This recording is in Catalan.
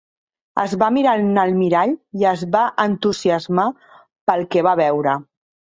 Es va mirar en el mirall i es va entusiasmar pel que va veure.